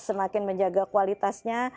semakin menjaga kualitasnya